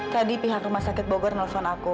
tadi pihak rumah sakit bogor nelfon aku